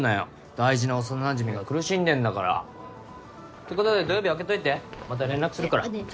大事な幼なじみが苦しんでんだからってことで土曜日空けといてまた連絡するからねえ